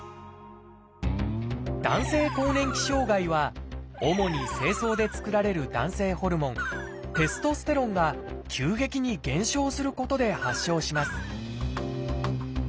「男性更年期障害」は主に精巣で作られる男性ホルモンテストステロンが急激に減少することで発症します